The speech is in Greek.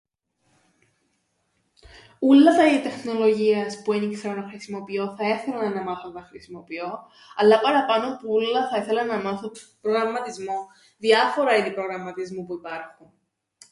Ούλλα τα είδη τεχνολογίας που εν ι-ξέρω να χρησιμοποιώ θα έθελα να μάθω να τα χρησιμοποιώ, αλλά παραπάνω που ούλλα θα έθελα να μάθω προγραμματισμόν, διάφορα είδη προγραμματισμού που υπάρχουν.